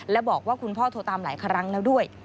และบอกว่าคุณพ่อโทรตามหลายครั้งแล้วด้วย